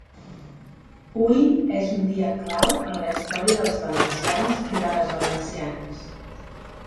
Hui és un dia clau en la història dels valencians i de les valencianes.